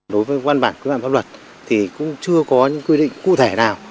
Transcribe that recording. đối với quan bản quy định pháp luật thì cũng chưa có những quy định cụ thể nào